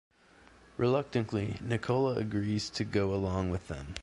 Reluctantly, Nicola agrees to go along with them.